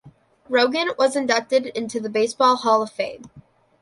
Rogan was inducted into the Baseball Hall of Fame.